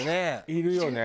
いるよね？